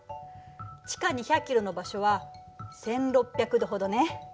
地下２００ｋｍの場所は１６００℃ほどね。